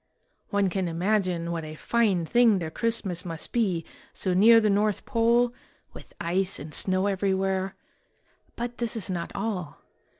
One can imagine what a fine thing their Christmas must be, so near the North Pole, with ice and snow every where; but this is not all.